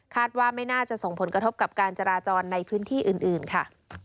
ว่าไม่น่าจะส่งผลกระทบกับการจราจรในพื้นที่อื่นค่ะ